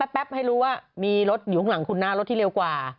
แป๊บให้รู้ว่ามีรถอยู่ข้างหลังคุณหน้ารถที่เร็วกว่า